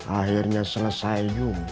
akhirnya selesai juga